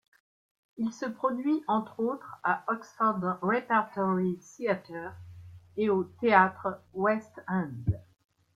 Il se produit entre autres à Oxford repertory theatre et au théâtres West End.